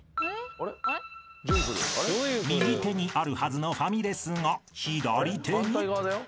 ［右手にあるはずのファミレスが左手に］